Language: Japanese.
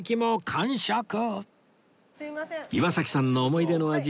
岩崎さんの思い出の味